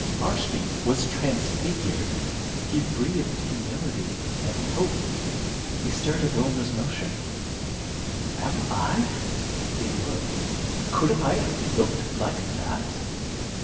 Marshby was transfigured. He breathed humility and hope. He stirred at Wilmer's motion. "Am I" he glowed "could I have looked like that?"